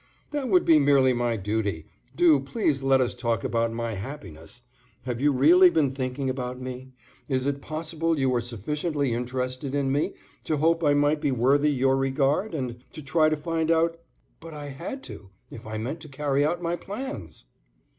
"That would be merely my duty; do please let us talk about my happiness. Have you really been thinking about me? Is it possible you were sufficiently interested in me to hope I might be worthy your regard, and to try to find out " "But I had to, if I meant to carry out my plans!"